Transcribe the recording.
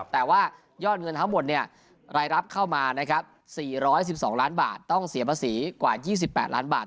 แต่ว่ายอดเงินทั้งหมดรายรับเข้ามา๔๑๒ล้านบาทต้องเสียภาษีกว่า๒๘ล้านบาท